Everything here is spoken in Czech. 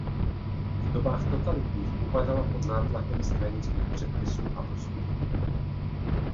V dobách totalitních upadala pod nátlakem stranických předpisů a postupů.